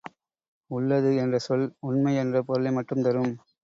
உள்ளது என்ற சொல் உண்மை என்ற பொருளை மட்டும் தரும்.